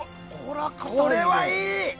これはいい！